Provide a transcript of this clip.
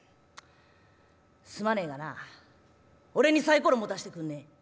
すまねえがな俺にサイコロ持たしてくんねえ」。